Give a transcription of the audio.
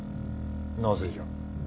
なぜじゃ？